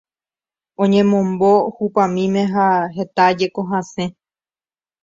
Oñemombo hupamíme ha hetájeko hasẽ.